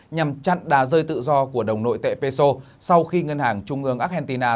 nhằm chặn đà rơi tự do của đồng nội tệ peso sau khi ngân hàng trung ương argentina